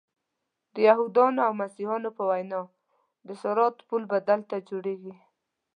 د یهودانو او مسیحیانو په وینا د صراط پل به دلته جوړیږي.